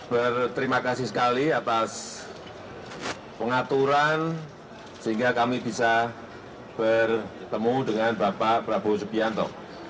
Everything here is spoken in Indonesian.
berterima kasih sekali atas pengaturan sehingga kami bisa bertemu dengan bapak prabowo subianto